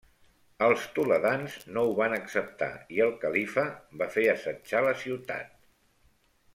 Els toledans no ho van acceptar i el califa va fer assetjar la ciutat.